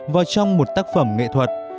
vòi trong một tác phẩm nghệ thuật